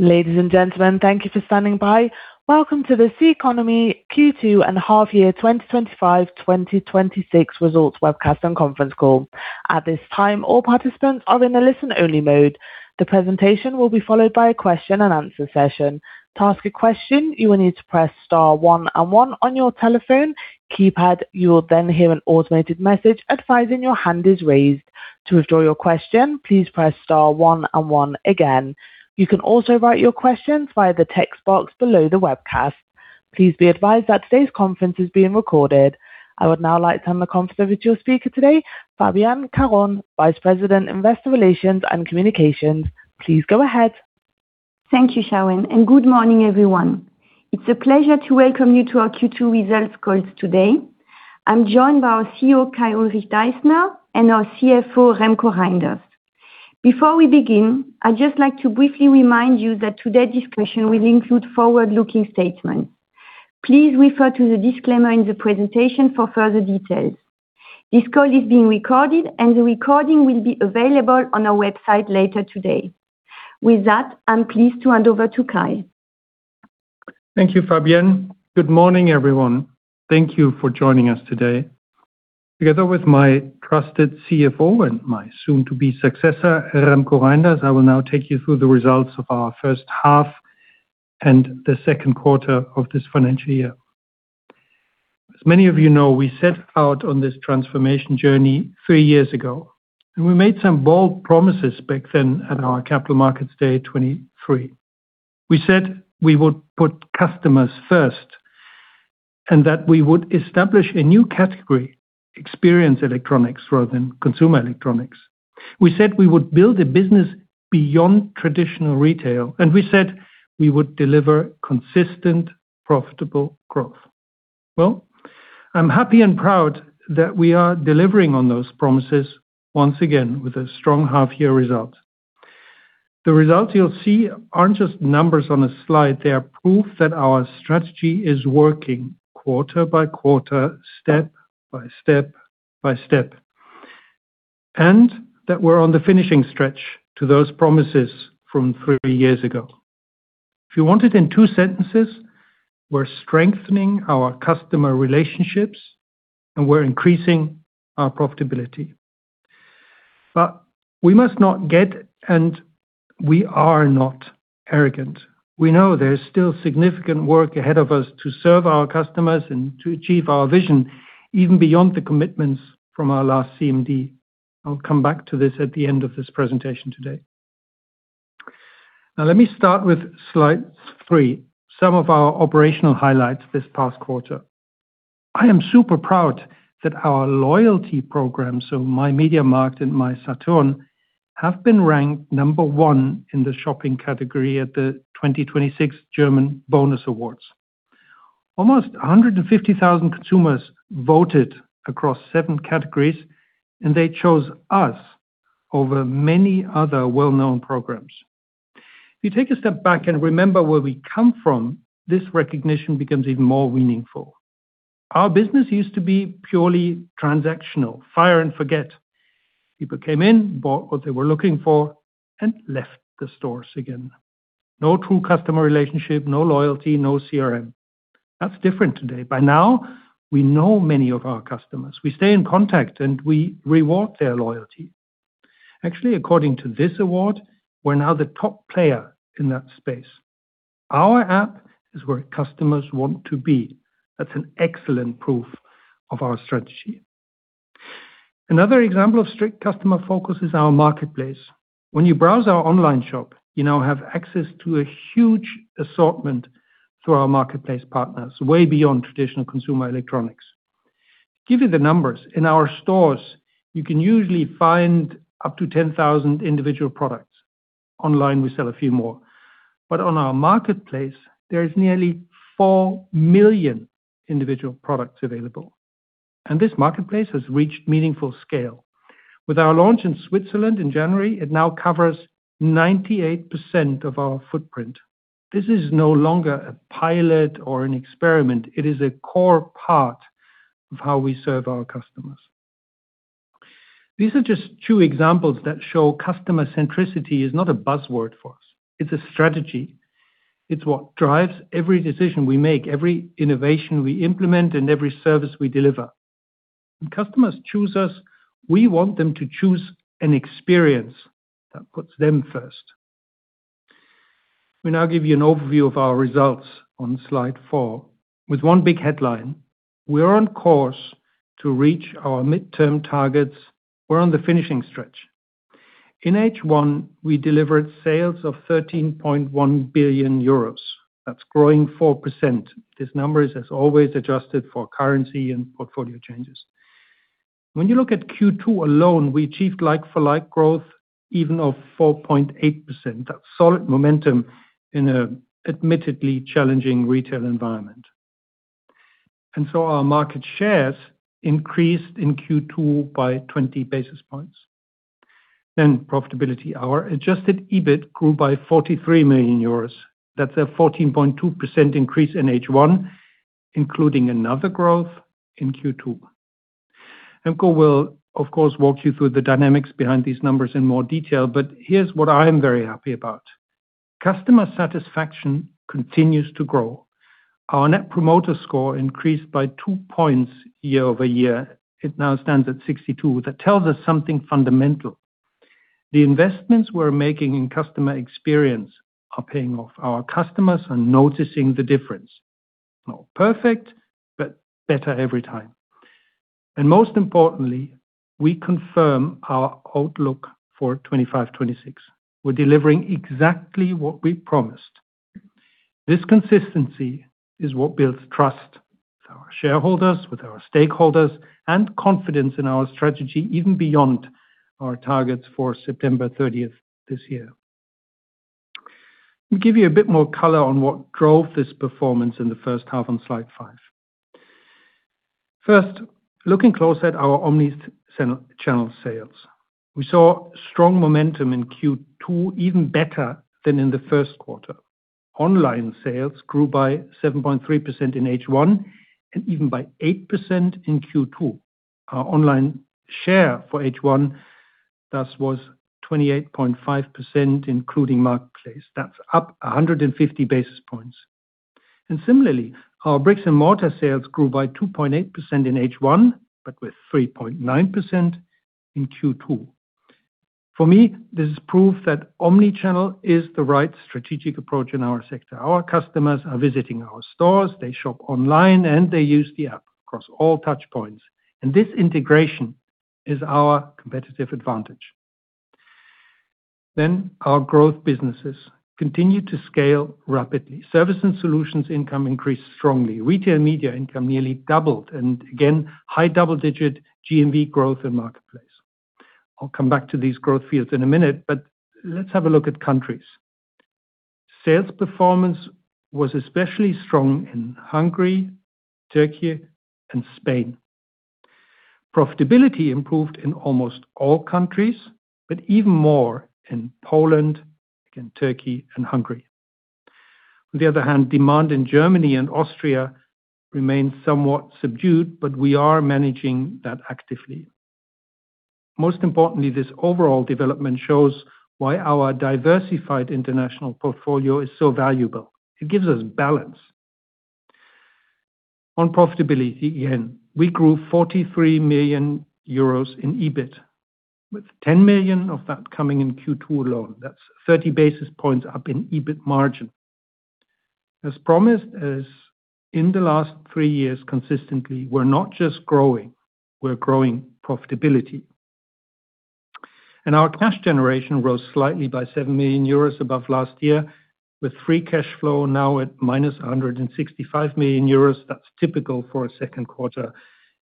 Ladies and gentlemen, thank you for standing by. Welcome to CECONOMY Q2 and half year 2025-2026 results webcast and conference call. At this time, all participants are in a listen-only mode. The presentation will be followed by a question-and-answer session. To ask a question, you need to press star one and one on your telephone keypad. You're gonna hear an automated message advising your hand is raised. To withdraw your question, please press star one and one again. You can also write your question via the text box below the webcast. Please be advised that this conference is being recorded. I would now like to hand the conference over to your speaker today, Fabienne Caron, Vice President, Investor Relations and Communications. Please go ahead. Thank you, Sharon, and good morning, everyone. It's a pleasure to welcome you to our Q2 results calls today. I'm joined by our CEO, Dr. Kai-Ulrich Deissner, and our CFO, Remko Rijnders. Before we begin, I'd just like to briefly remind you that today's discussion will include forward-looking statements. Please refer to the disclaimer in the presentation for further details. This call is being recorded, and the recording will be available on our website later today. With that, I'm pleased to hand over to Kai. Thank you, Fabienne. Good morning, everyone. Thank you for joining us today. Together with my trusted CFO and my soon-to-be successor, Remko Rijnders, I will now take you through the results of our first half and the second quarter of this financial year. As many of you know, we set out on this transformation journey three years ago. We made some bold promises back then at our Capital Markets Day 2023. We said we would put customers first and that we would establish a new category, Experience Electronics rather than consumer electronics. We said we would build a business beyond traditional retail. We said we would deliver consistent, profitable growth. Well, I'm happy and proud that we are delivering on those promises once again with a strong half-year result. The results you'll see aren't just numbers on a slide. They are proof that our strategy is working quarter-by-quarter, step by step by step, that we're on the finishing stretch to those promises from three years ago. If you want it in two sentences, we're strengthening our customer relationships, we're increasing our profitability. We must not get, we are not arrogant. We know there is still significant work ahead of us to serve our customers and to achieve our vision, even beyond the commitments from our last CMD. I'll come back to this at the end of this presentation today. Let me start with slide three, some of our operational highlights this past quarter. I am super proud that our loyalty programmes of myMediaMarkt, mySaturn have been ranked number one in the shopping category at the 2026 German Bonus Awards. Almost 150,000 consumers voted across seven categories. They chose us over many other well-known programmes. If you take a step back and remember where we come from, this recognition becomes even more meaningful. Our business used to be purely transactional, fire and forget. People came in, bought what they were looking for and left the stores again. No true customer relationship, no loyalty, no CRM. That's different today. By now, we know many of our customers. We stay in contact, and we reward their loyalty. Actually, according to this award, we're now the top player in that space. Our app is where customers want to be. That's an excellent proof of our strategy. Another example of strict customer focus is our Marketplace. When you browse our online shop, you now have access to a huge assortment through our Marketplace partners, way beyond traditional consumer electronics. Give you the numbers. In our stores, you can usually find up to 10,000 individual products. Online, we sell a few more. On our Marketplace, there is nearly 4 million individual products available, and this Marketplace has reached meaningful scale. With our launch in Switzerland in January, it now covers 98% of our footprint. This is no longer a pilot or an experiment. It is a core part of how we serve our customers. These are just two examples that show customer centricity is not a buzzword for us. It's a strategy. It's what drives every decision we make, every innovation we implement, and every service we deliver. When customers choose us, we want them to choose an experience that puts them first. Let me now give you an overview of our results on slide four. With one big headline, we are on course to reach our midterm targets. We're on the finishing stretch. In H1, we delivered sales of 13.1 billion euros. That's growing 4%. This number is as always adjusted for currency and portfolio changes. You look at Q2 alone, we achieved like-for-like growth even of 4.8%. That's solid momentum in a admittedly challenging retail environment. Our market shares increased in Q2 by 20 basis points. Profitability. Our adjusted EBIT grew by 43 million euros. That's a 14.2% increase in H1, including another growth in Q2. Remko will of course walk you through the dynamics behind these numbers in more detail, here's what I am very happy about. Customer satisfaction continues to grow. Our Net Promoter Score increased by 2 points year-over-year. It now stands at 62. That tells us something fundamental. The investments we're making in customer experience are paying off. Our customers are noticing the difference. Not perfect, but better every time. Most importantly, we confirm our outlook for 2025, 2026. We're delivering exactly what we promised. This consistency is what builds trust with our shareholders, with our stakeholders, and confidence in our strategy even beyond our targets for September 30th this year. Let me give you a bit more color on what drove this performance in the first half on slide five. First, looking close at our omnichannel sales. We saw strong momentum in Q2, even better than in the first quarter. Online sales grew by 7.3% in H1, and even by 8% in Q2. Our online share for H1, thus was 28.5%, including Marketplace. That's up 150 basis points. Similarly, our bricks and mortar sales grew by 2.8% in H1, but with 3.9% in Q2. For me, this is proof that omnichannel is the right strategic approach in our sector. Our customers are visiting our stores, they shop online, and they use the app across all touch points. This integration is our competitive advantage. Our growth businesses continue to scale rapidly. Service & Solutions income increased strongly. Retail Media income nearly doubled, and again, high double-digit GMV growth in Marketplace. I'll come back to these growth fields in a minute, but let's have a look at countries. Sales performance was especially strong in Hungary, Turkey, and Spain. Profitability improved in almost all countries, but even more in Poland, again, Turkey and Hungary. On the other hand, demand in Germany and Austria remains somewhat subdued, but we are managing that actively. Most importantly, this overall development shows why our diversified international portfolio is so valuable. It gives us balance. On profitability, again, we grew 43 million euros in EBIT, with 10 million of that coming in Q2 alone. That's 30 basis points up in EBIT margin. As promised, as in the last three years consistently, we're not just growing, we're growing profitability. Our cash generation rose slightly by 7 million euros above last year, with free cash flow now at minus 165 million euros. That's typical for a second quarter.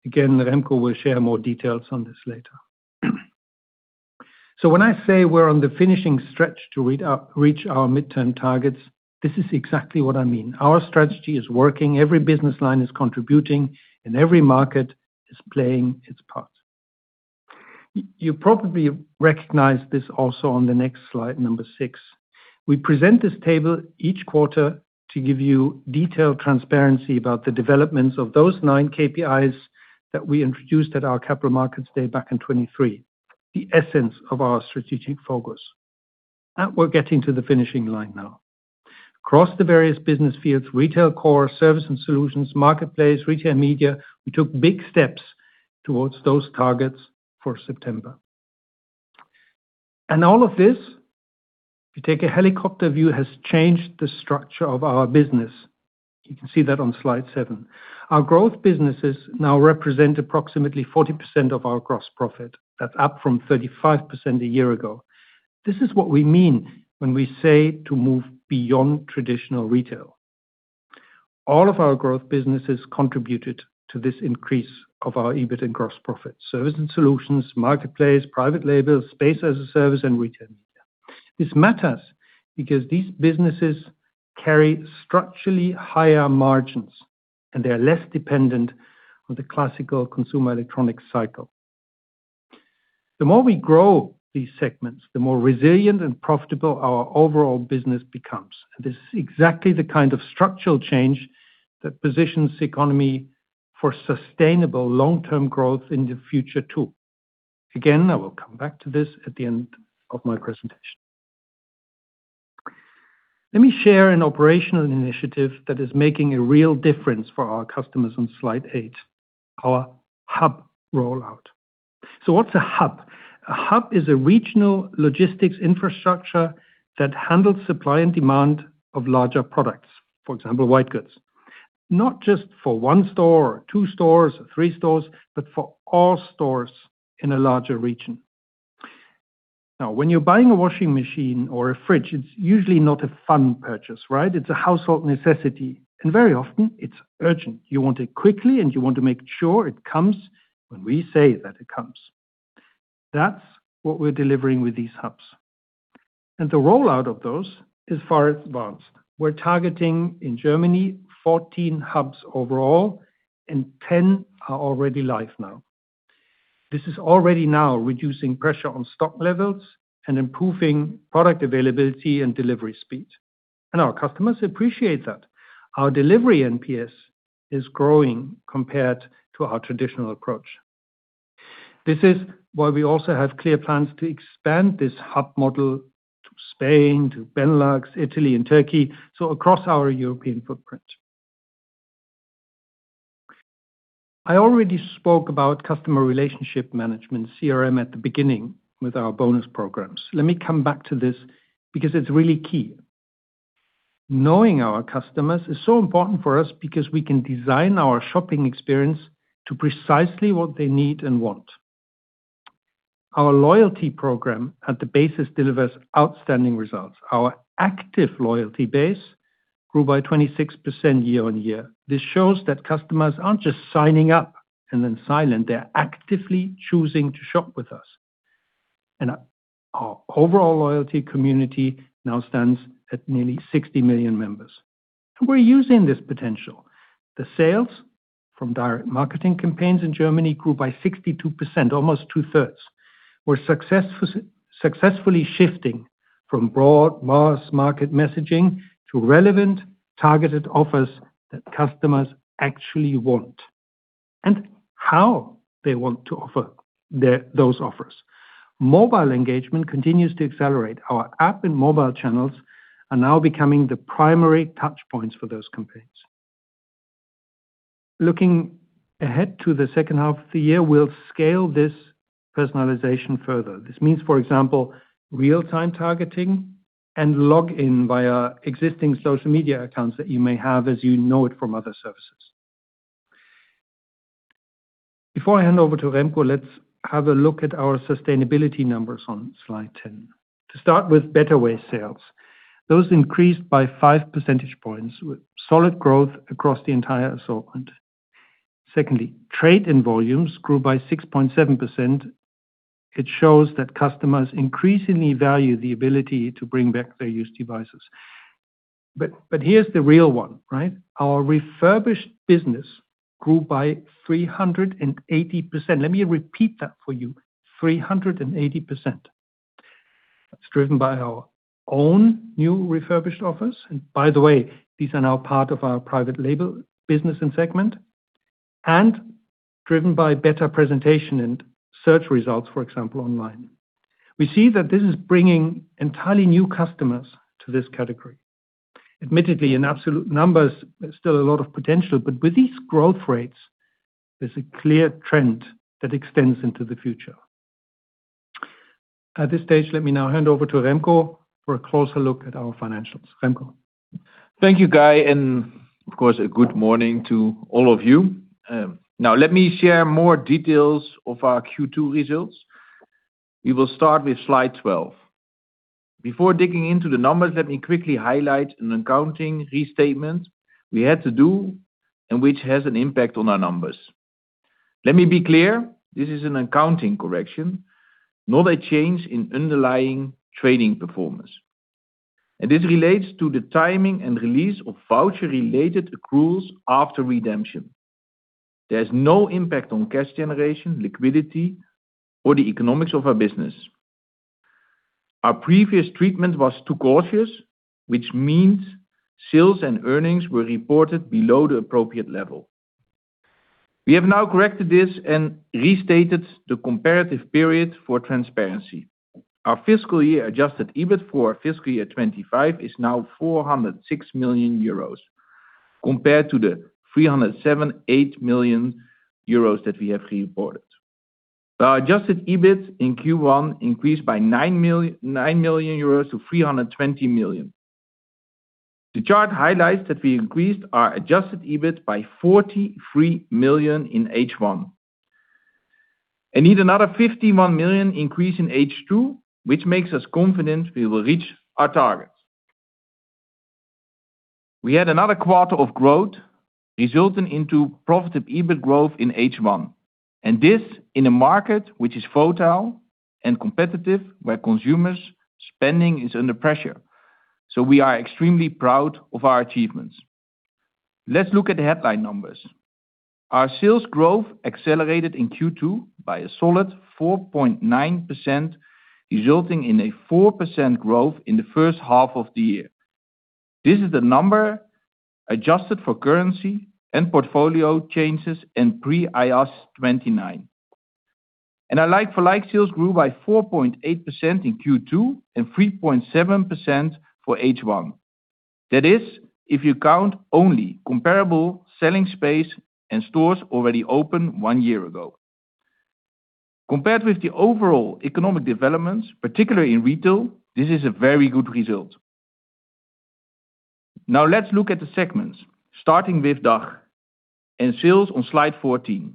Again, Remko will share more details on this later. When I say we're on the finishing stretch to reach our midterm targets, this is exactly what I mean. Our strategy is working, every business line is contributing, and every market is playing its part. You probably recognize this also on the next slide, number six. We present this table each quarter to give you detailed transparency about the developments of those nine KPIs that we introduced at our Capital Markets Day back in 2023, the essence of our strategic focus. We're getting to the finishing line now. Across the various business fields, retail core, Service & Solutions, Marketplace, Retail Media, we took big steps towards those targets for September. All of this, if you take a helicopter view, has changed the structure of our business. You can see that on slide seven. Our growth businesses now represent approximately 40% of our gross profit. That's up from 35% a year ago. This is what we mean when we say to move beyond traditional retail. All of our growth businesses contributed to this increase of our EBIT and gross profit. Service & Solutions, Marketplace, Private Label, Space-as-a-Service, and Retail. This matters because these businesses carry structurally higher margins, and they are less dependent on the classical consumer electronic cycle. The more we grow these segments, the more resilient and profitable our overall business becomes. This is exactly the kind of structural change that positions CECONOMY for sustainable long-term growth in the future too. Again, I will come back to this at the end of my presentation. Let me share an operational initiative that is making a real difference for our customers on slide eight, our hub rollout. What's a hub? A hub is a regional logistics infrastructure that handles supply and demand of larger products. For example, white goods. Not just for one store or two stores or three stores, but for all stores in a larger region. When you're buying a washing machine or a fridge, it's usually not a fun purchase, right? It's a household necessity, very often it's urgent. You want it quickly, you want to make sure it comes when we say that it comes. That's what we're delivering with these hubs. The rollout of those is far advanced. We're targeting, in Germany, 14 hubs overall, 10 are already live now. This is already now reducing pressure on stock levels and improving product availability and delivery speed. Our customers appreciate that. Our delivery NPS is growing compared to our traditional approach. This is why we also have clear plans to expand this hub model to Spain, to Benelux, Italy and Turkey, across our European footprint. I already spoke about customer relationship management, CRM, at the beginning with our bonus programmes. Let me come back to this because it's really key. Knowing our customers is so important for us because we can design our shopping experience to precisely what they need and want. Our loyalty programme at the base delivers outstanding results. Our active loyalty base grew by 26% year-on-year. This shows that customers aren't just signing up and then silent. They're actively choosing to shop with us. Our overall loyalty community now stands at nearly 60 million members, and we're using this potential. The sales from direct marketing campaigns in Germany grew by 62%, almost 2/3. We're successful, successfully shifting from broad mass market messaging to relevant, targeted offers that customers actually want and how they want to offer those offers. Mobile engagement continues to accelerate. Our app and mobile channels are now becoming the primary touch points for those campaigns. Looking ahead to the second half of the year, we'll scale this personalization further. This means, for example, real-time targeting and login via existing social media accounts that you may have as you know it from other services. Before I hand over to Remko, let's have a look at our sustainability numbers on slide 10. To start with BetterWay sales, those increased by 5 percentage points with solid growth across the entire assortment. Secondly, trade in volumes grew by 6.7%. It shows that customers increasingly value the ability to bring back their used devices. Here's the real one, right? Our refurbished business grew by 380%. Let me repeat that for you, 380%. It's driven by our own new refurbished offers, and by the way, these are now part of our Private Label business and segment, and driven by better presentation and search results, for example, online. We see that this is bringing entirely new customers to this category. Admittedly, in absolute numbers, there's still a lot of potential, but with these growth rates, there's a clear trend that extends into the future. At this stage, let me now hand over to Remko for a closer look at our financials. Remko. Thank you, Kai, of course, a good morning to all of you. Now let me share more details of our Q2 results. We will start with slide 12. Before digging into the numbers, let me quickly highlight an accounting restatement we had to do and which has an impact on our numbers. Let me be clear, this is an accounting correction, not a change in underlying trading performance. This relates to the timing and release of voucher-related accruals after redemption. There's no impact on cash generation, liquidity, or the economics of our business. Our previous treatment was too cautious, which means sales and earnings were reported below the appropriate level. We have now corrected this and restated the comparative period for transparency. Our fiscal year adjusted EBIT for fiscal year 2025 is now 406 million euros compared to the 378 million euros that we have reported. Our adjusted EBIT in Q1 increased by 9 million euros to 320 million. The chart highlights that we increased our adjusted EBIT by 43 million in H1. Need another 51 million increase in H2, which makes us confident we will reach our targets. We had another quarter of growth resulting into profitable EBIT growth in H1. This in a market which is volatile and competitive, where consumers spending is under pressure. We are extremely proud of our achievements. Let's look at the headline numbers. Our sales growth accelerated in Q2 by a solid 4.9%, resulting in a 4% growth in the first half of the year. This is the number adjusted for currency and portfolio changes in pre-IAS 29. Our like-for-like sales grew by 4.8% in Q2 and 3.7% for H1. That is, if you count only comparable selling space and stores already open one year ago. Compared with the overall economic developments, particularly in retail, this is a very good result. Now let's look at the segments, starting with DACH and sales on slide 14.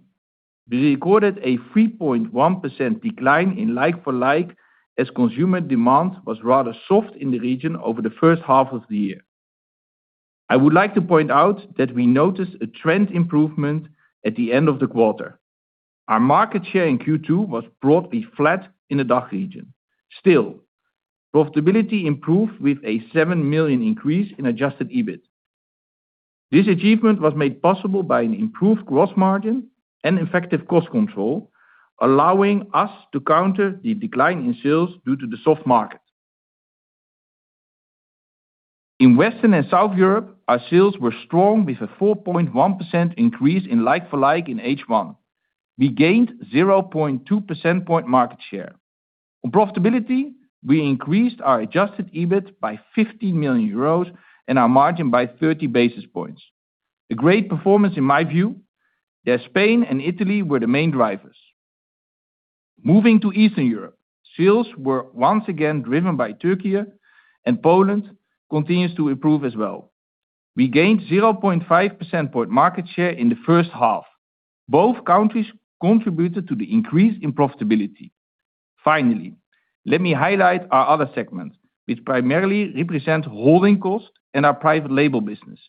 We recorded a 3.1% decline in like-for-like as consumer demand was rather soft in the region over the first half of the year. I would like to point out that we noticed a trend improvement at the end of the quarter. Our market share in Q2 was broadly flat in the DACH region. Profitability improved with a 7 million increase in adjusted EBIT. This achievement was made possible by an improved gross margin and effective cost control, allowing us to counter the decline in sales due to the soft market. In Western and South Europe, our sales were strong with a 4.1% increase in like-for-like in H1. We gained 0.2 percentage point market share. On profitability, we increased our adjusted EBIT by 50 million euros and our margin by 30 basis points. A great performance in my view, as Spain and Italy were the main drivers. Moving to Eastern Europe, sales were once again driven by Turkey, and Poland continues to improve as well. We gained 0.5 percentage point market share in the first half. Both countries contributed to the increase in profitability. Finally, let me highlight our other segments, which primarily represent holding costs and our Private Label business.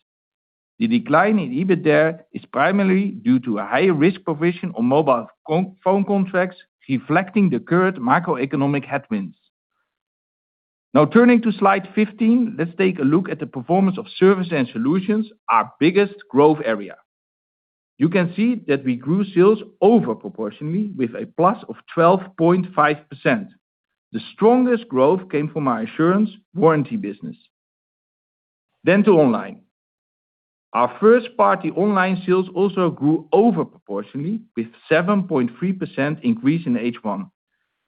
The decline in EBIT there is primarily due to a higher risk provision on mobile phone contracts, reflecting the current macroeconomic headwinds. Turning to slide 15, let's take a look at the performance of Service & Solutions, our biggest growth area. You can see that we grew sales over proportionally with a plus of 12.5%. The strongest growth came from our insurance warranty business. To online. Our first party online sales also grew over proportionally with 7.3% increase in H1,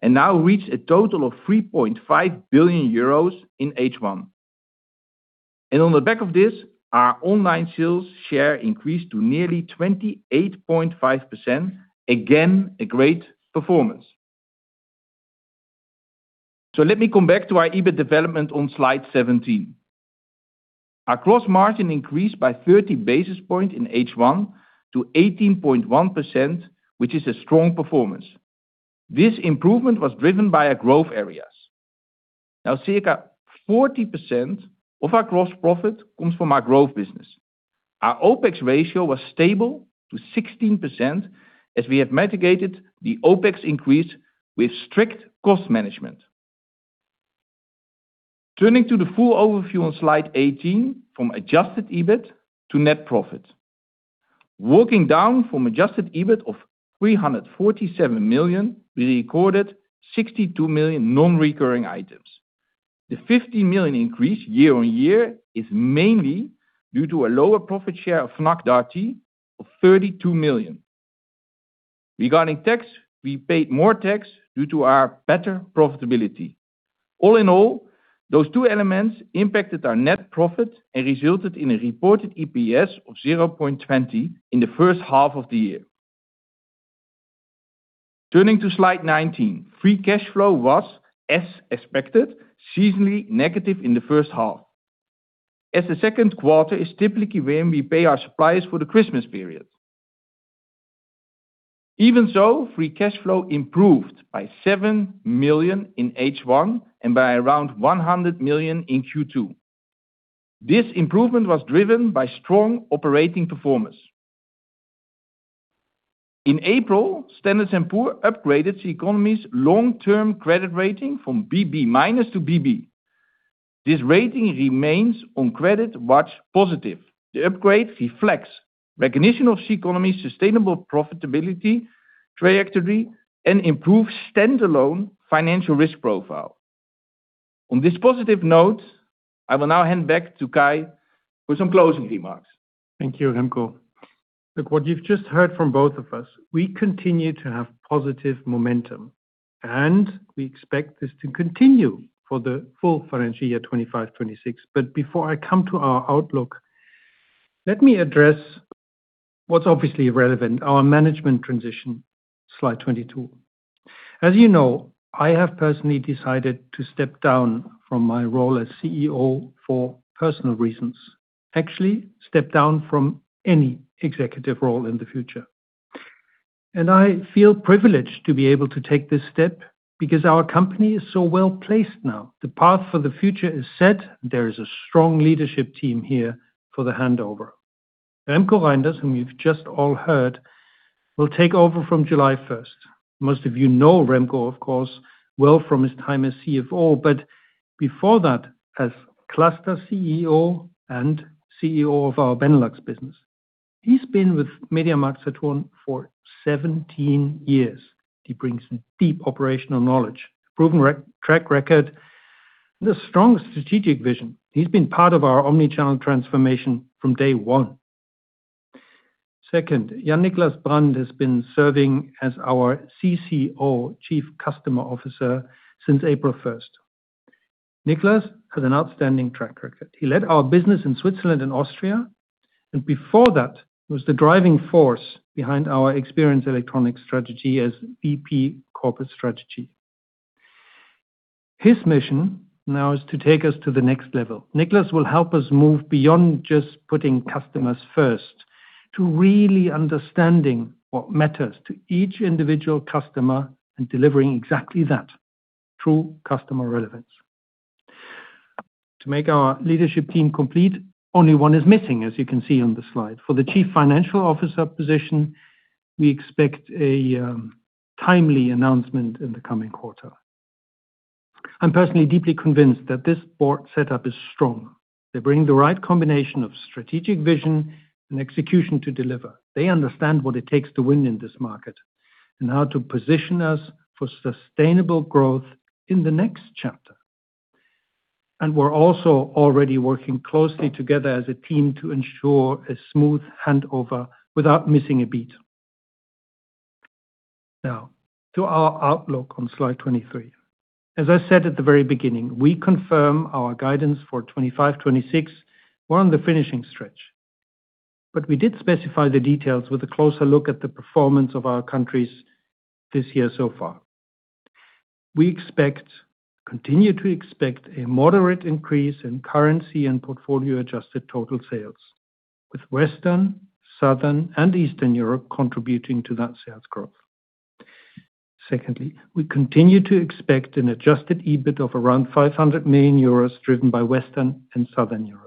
now reached a total of 3.5 billion euros in H1. On the back of this, our online sales share increased to nearly 28.5%, again, a great performance. Let me come back to our EBIT development on slide 17. Our gross margin increased by 30 basis point in H1 to 18.1%, which is a strong performance. This improvement was driven by our growth areas. Now, circa 40% of our gross profit comes from our growth business. Our OpEx ratio was stable to 16%, as we have mitigated the OpEx increase with strict cost management. Turning to the full overview on slide 18 from adjusted EBIT to net profit. Working down from adjusted EBIT of 347 million, we recorded 62 million non-recurring items. The 50 million increase year-on-year is mainly due to a lower profit share of Fnac Darty of 32 million. Regarding tax, we paid more tax due to our better profitability. All in all, those two elements impacted our net profit and resulted in a reported EPS of 0.20 in the first half of the year. Turning to slide 19, free cash flow was, as expected, seasonally negative in the first half, as the second quarter is typically when we pay our suppliers for the Christmas period. Even so, free cash flow improved by 7 million in H1 and by around 100 million in Q2. This improvement was driven by strong operating performance. In April, Standard & Poor's upgraded CECONOMY's long-term credit rating from BB- to BB. This rating remains on credit watch positive. The upgrade reflects recognition of CECONOMY's sustainable profitability trajectory and improved standalone financial risk profile. On this positive note, I will now hand back to Kai for some closing remarks. Thank you, Remko. Look, what you've just heard from both of us, we continue to have positive momentum, and we expect this to continue for the full financial year 2025, 2026. Before I come to our outlook, let me address what's obviously relevant, our management transition, slide 22. As you know, I have personally decided to step down from my role as CEO for personal reasons. Actually, step down from any executive role in the future. I feel privileged to be able to take this step because our company is so well-placed now. The path for the future is set. There is a strong leadership team here for the handover. Remko Rijnders, whom you've just all heard, will take over from July 1st. Most of you know Remko, of course, well from his time as CFO, but before that, as Cluster CEO and CEO of our Benelux business. He's been with MediaMarktSaturn for 17 years. He brings deep operational knowledge, proven track record, and a strong strategic vision. He's been part of our omnichannel transformation from day one. Second, Jan Niclas Brandt has been serving as our CCO, Chief Customer Officer, since April 1st. Niclas has an outstanding track record. He led our business in Switzerland and Austria, and before that was the driving force behind our Experience Electronics strategy as VP Corporate Strategy. His mission now is to take us to the next level. Niclas will help us move beyond just putting customers first to really understanding what matters to each individual customer and delivering exactly that, true customer relevance. To make our leadership team complete, only one is missing, as you can see on the slide. For the Chief Financial Officer position, we expect a timely announcement in the coming quarter. I'm personally deeply convinced that this Board setup is strong. They bring the right combination of strategic vision and execution to deliver. They understand what it takes to win in this market and how to position us for sustainable growth in the next chapter. We're also already working closely together as a team to ensure a smooth handover without missing a beat. Now, to our outlook on slide 23. As I said at the very beginning, we confirm our guidance for 2025, 2026. We're on the finishing stretch, we did specify the details with a closer look at the performance of our countries this year so far. We expect, continue to expect a moderate increase in currency and portfolio-adjusted total sales, with Western, Southern, and Eastern Europe contributing to that sales growth. We continue to expect an adjusted EBIT of around 500 million euros driven by Western and Southern Europe.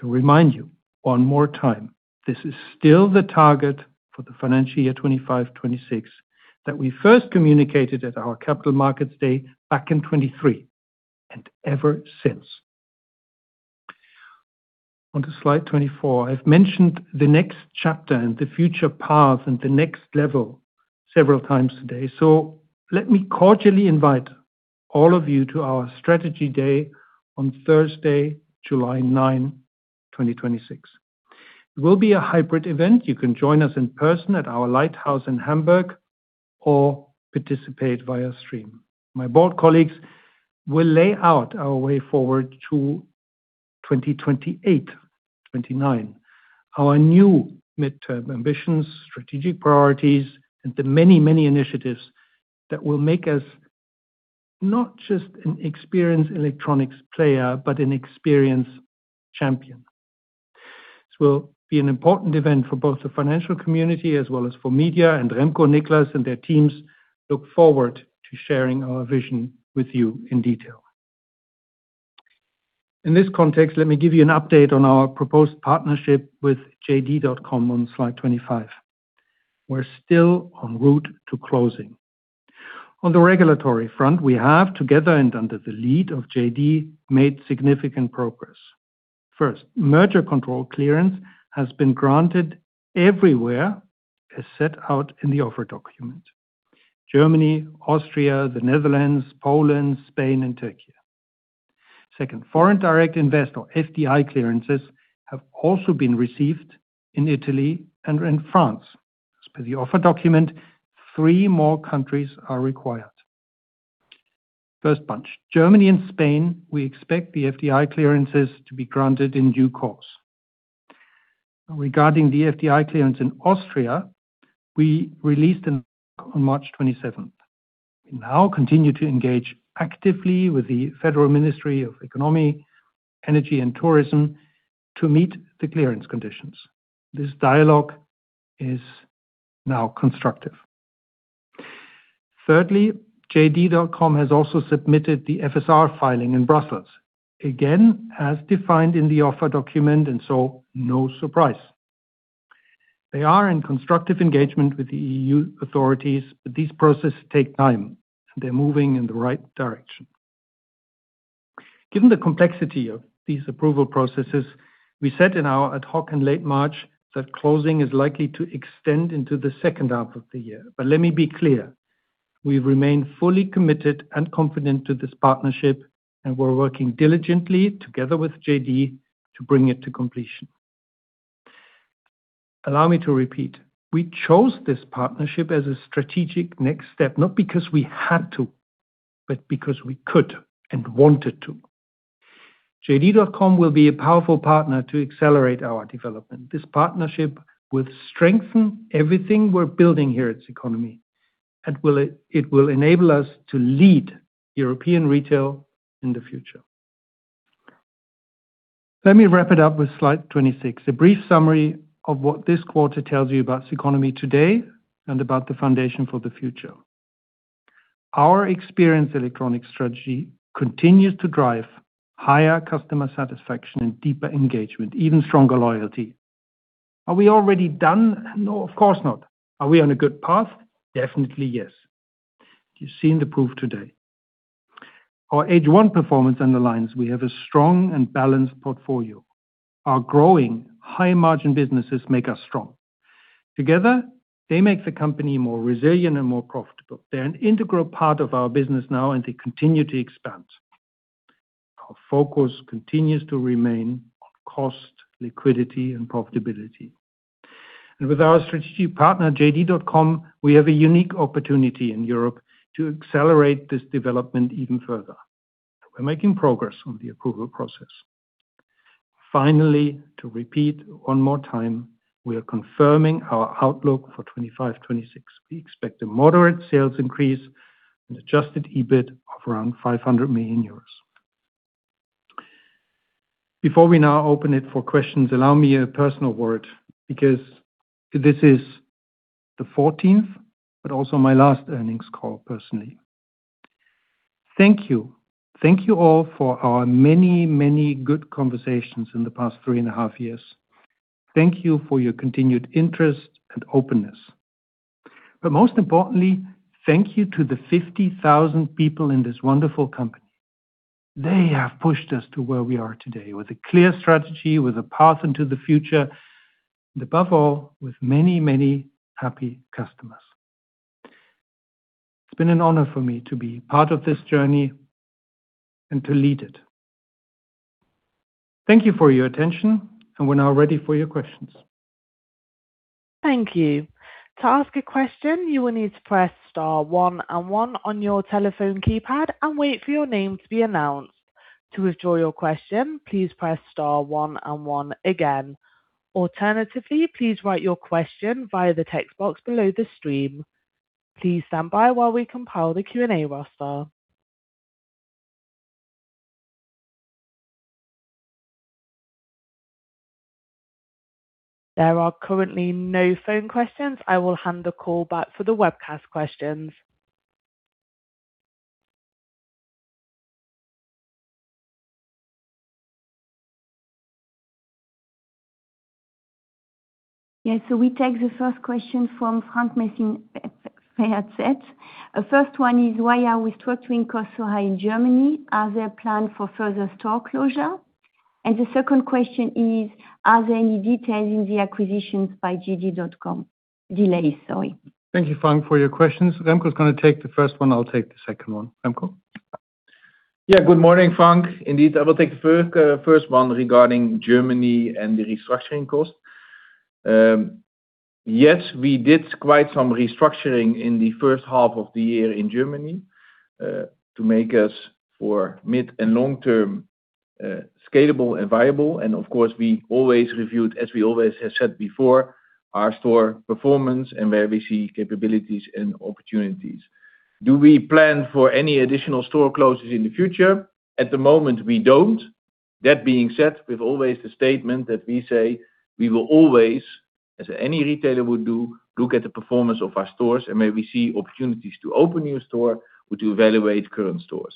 To remind you one more time, this is still the target for the financial year 2025, 2026 that we first communicated at our Capital Markets Day back in 2023, and ever since. On to slide 24. I've mentioned the next chapter and the future path and the next level several times today. Let me cordially invite all of you to our strategy day on Thursday, July 9, 2026. It will be a hybrid event. You can join us in person at our lighthouse in Hamburg or participate via stream. My Board colleagues will lay out our way forward to 2028, 2029. Our new midterm ambitions, strategic priorities, and the many, many initiatives that will make us not just an experienced electronics player, but an experienced champion. This will be an important event for both the financial community as well as for media, Remko, Niclas, and their teams look forward to sharing our vision with you in detail. In this context, let me give you an update on our proposed partnership with JD.com on slide 25. We're still on route to closing. On the regulatory front, we have, together and under the lead of JD, made significant progress. First, merger control clearance has been granted everywhere as set out in the offer document. Germany, Austria, the Netherlands, Poland, Spain, and Turkey. Second, Foreign Direct Invest or FDI clearances have also been received in Italy and in France. As per the offer document, three more countries are required. First bunch, Germany and Spain, we expect the FDI clearances to be granted in due course. Regarding the FDI clearance in Austria, we released on March 27th. We now continue to engage actively with the Federal Ministry of Economy, Energy, and Tourism to meet the clearance conditions. This dialogue is now constructive. Thirdly, JD.com has also submitted the FSR filing in Brussels. Again, as defined in the offer document, no surprise. They are in constructive engagement with the EU authorities, but these processes take time, and they're moving in the right direction. Given the complexity of these approval processes, we said in our ad hoc in late March that closing is likely to extend into the second half of the year. Let me be clear, we remain fully committed and confident to this partnership, and we're working diligently together with JD to bring it to completion. Allow me to repeat, we chose this partnership as a strategic next step, not because we had to, but because we could and wanted to. JD.com will be a powerful partner to accelerate our development. This partnership will strengthen everything we're building here at CECONOMY, it will enable us to lead European retail in the future. Let me wrap it up with slide 26, a brief summary of what this quarter tells you about CECONOMY today and about the foundation for the future. Our Experience Electronics strategy continues to drive higher customer satisfaction and deeper engagement, even stronger loyalty. Are we already done? No, of course not. Are we on a good path? Definitely, yes. You've seen the proof today. Our H1 performance underlines we have a strong and balanced portfolio. Our growing high-margin businesses make us strong. Together, they make the company more resilient and more profitable. They're an integral part of our business now, and they continue to expand. Our focus continues to remain on cost, liquidity and profitability. With our strategic partner, JD.com, we have a unique opportunity in Europe to accelerate this development even further. We're making progress on the approval process. Finally, to repeat one more time, we are confirming our outlook for 2025, 2026. We expect a moderate sales increase and adjusted EBIT of around 500 million euros. Before we now open it for questions, allow me a personal word because this is the 14th but also my last earnings call personally. Thank you. Thank you all for our many, many good conversations in the past 3.5 years. Thank you for your continued interest and openness. Most importantly, thank you to the 50,000 people in this wonderful company. They have pushed us to where we are today with a clear strategy, with a path into the future, and above all, with many, many happy customers. It's been an honor for me to be part of this journey and to lead it. Thank you for your attention. We're now ready for your questions. Thank you. To ask a question, you will need to press star one and one on your telephone keypad and wait for your name to be announced. To withdraw your question, please press star one and one again. Alternatively, please write your question via the text box below the stream. Please stand by while we compile the Q&A roster. There are currently no phone questions. I will hand the call back for the webcast questions. Yes. We take the first question from [Frank Messing] at. The first one is, why are restructuring costs so high in Germany? Are there plan for further store closure? The second question is, are there any details in the acquisitions by JD.com? Delays, sorry. Thank you, [Frank], for your questions. Remko is gonna take the first one, I'll take the second one. Remko. Good morning, [Frank]. I will take the first one regarding Germany and the restructuring cost. We did quite some restructuring in the first half of the year in Germany to make us for mid and long term scalable and viable. Of course, we always reviewed, as we always have said before, our store performance and where we see capabilities and opportunities. Do we plan for any additional store closures in the future? At the moment, we don't. That being said, with always the statement that we say, we will always, as any retailer would do, look at the performance of our stores and where we see opportunities to open new store, we do evaluate current stores.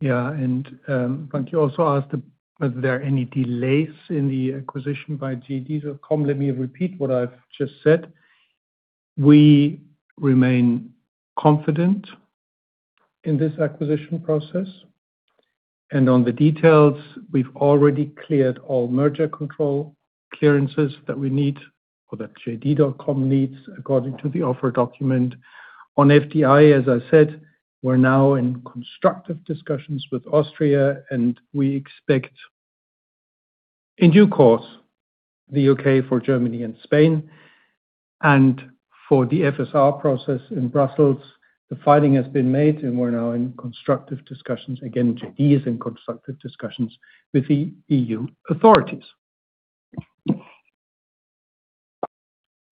Yeah. [Frank], you also asked, was there any delays in the acquisition by JD.com? Let me repeat what I've just said. We remain confident in this acquisition process. On the details, we've already cleared all merger control clearances that we need or that JD.com needs according to the offer document. On FDI, as I said, we're now in constructive discussions with Austria, and we expect, in due course, UK for Germany and Spain. For the FSR process in Brussels, the filing has been made, and we're now in constructive discussions. Again, JD is in constructive discussions with the EU authorities.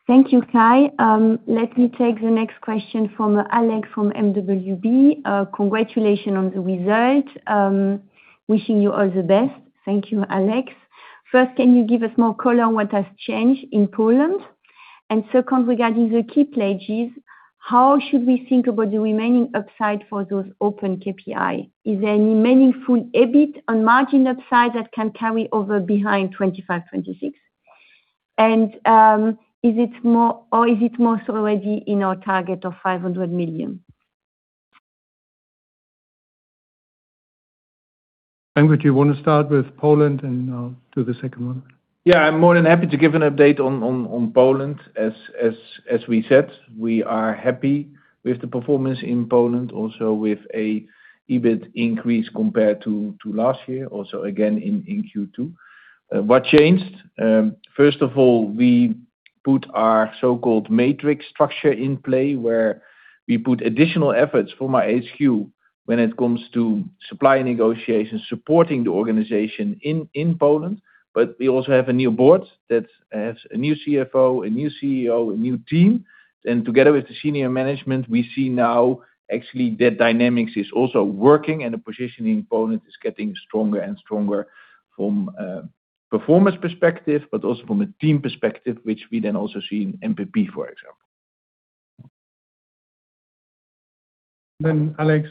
Thank you, Kai. Let me take the next question from Alex from mwb. Congratulations on the result. Wishing you all the best. Thank you, Alex. First, can you give us more color on what has changed in Poland? Second, regarding the key pledges, how should we think about the remaining upside for those open KPI? Is there any meaningful EBIT and margin upside that can carry over behind 2025, 2026? Is it more or is it most already in our target of 500 million? Remko, do you wanna start with Poland, and I'll do the second one? Yeah, I'm more than happy to give an update on Poland. As we said, we are happy with the performance in Poland, also with a EBIT increase compared to last year, also again in Q2. What changed? First of all, we put our so-called matrix structure in play, where we put additional efforts from our HQ when it comes to supply negotiations, supporting the organization in Poland. We also have a new Board that has a new CFO, a new CEO, a new team. Together with the senior management, we see now actually their dynamics is also working and the positioning component is getting stronger and stronger from performance perspective, but also from a team perspective, which we then also see in NPP, for example. Alex,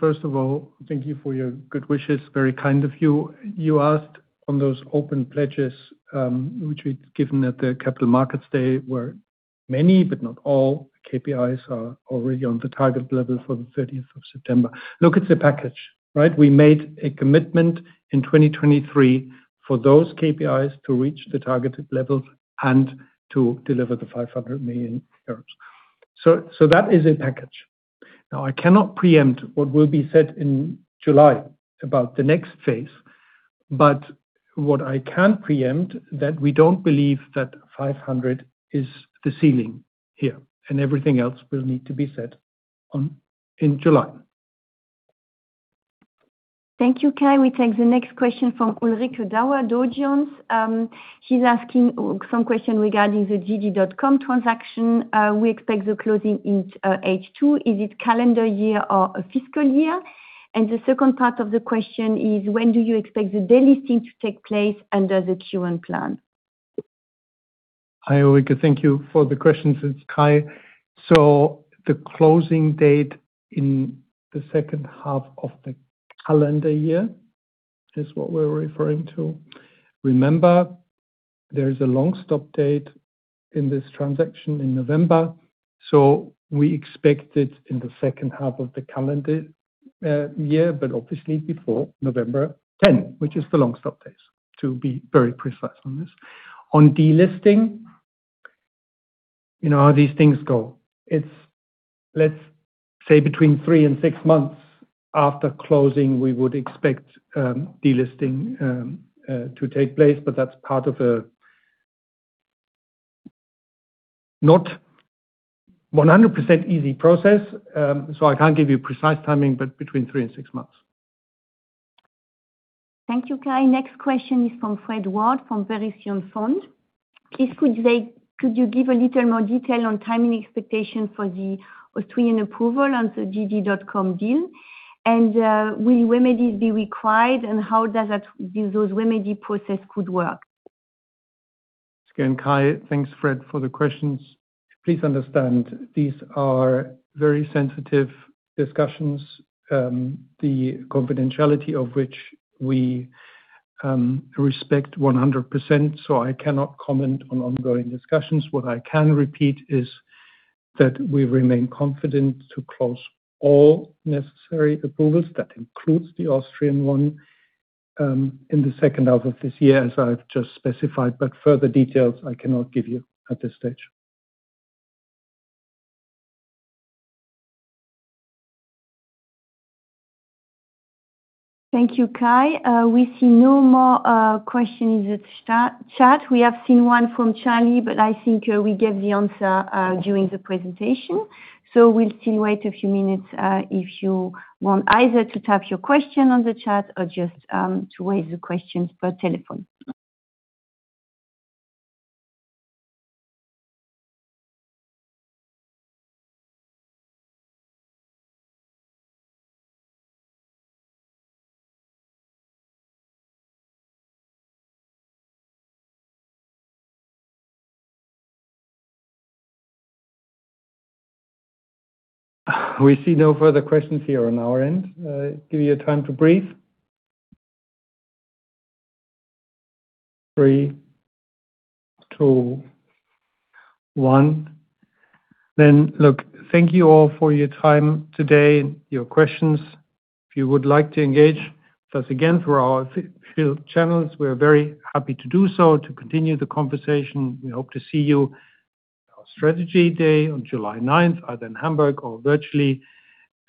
first of all, thank you for your good wishes. Very kind of you. You asked on those open pledges, which we've given at the Capital Markets Day, where many but not all KPIs are already on the target level for the 30th of September. Look at the package, right? We made a commitment in 2023 for those KPIs to reach the targeted levels and to deliver the 500 million euros. That is a package. I cannot preempt what will be said in July about the next phase, but what I can preempt that we don't believe that 500 million is the ceiling here, and everything else will need to be set on in July. Thank you, Kai. We take the next question from Ulrike Dauer Dow Jones. He's asking some question regarding the JD.com transaction. We expect the closing in H2. Is it calendar year or a fiscal year? The second part of the question is, when do you expect the delisting to take place under the Q1 plan? Hi Ulrike, thank you for the question. It's Kai. The closing date in the second half of the calendar year is what we're referring to. Remember, there is a long stop date in this transaction in November, so we expect it in the second half of the calendar year, but obviously before November 10, which is the long stop date, to be very precise on this. On delisting, you know how these things go. It's let's say between three and six months after closing, we would expect delisting to take place, but that's part of a not 100% easy process. I can't give you precise timing, but between three and six months. Thank you, Kai. Next question is from [Fred Ward from Parisian Fund]. Could you give a little more detail on timing expectation for the Austrian approval on the JD.com deal? Will remedies be required, and how does those remedy process could work? It's again Kai. Thanks, [Fred], for the questions. Please understand, these are very sensitive discussions, the confidentiality of which we respect 100%. I cannot comment on ongoing discussions. What I can repeat is that we remain confident to close all necessary approvals. That includes the Austrian one in the second half of this year, as I've just specified. Further details I cannot give you at this stage. Thank you, Kai. We see no more questions at chat. We have seen one from Charlie. I think we gave the answer during the presentation. We'll still wait a few minutes if you want either to type your question on the chat or just to raise the questions per telephone. We see no further questions here on our end. Give you time to breathe. three, two, one. Look, thank you all for your time today and your questions. If you would like to engage with us again through our channels, we are very happy to do so to continue the conversation. We hope to see you on our strategy day on July 9th, either in Hamburg or virtually,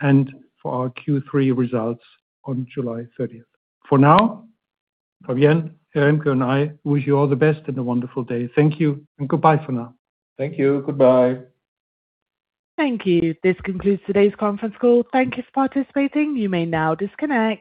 and for our Q3 results on July 30th. For now, Fabienne, Remko, and I wish you all the best and a wonderful day. Thank you and goodbye for now. Thank you. Goodbye. Thank you. This concludes today's conference call. Thank you for participating. You may now disconnect.